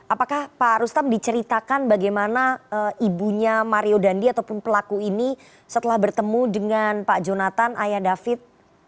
apakah pak rustam diceritakan bagaimana ibunya mario dandi ataupun pelaku ini setelah bertemu dengan pak jonathan ayah david